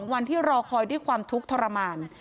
วันที่รอคอยด้วยความทุกข์ทรมาน